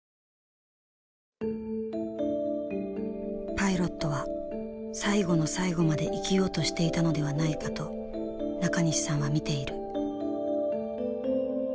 パイロットは最期の最期まで生きようとしていたのではないかと中西さんは見ている。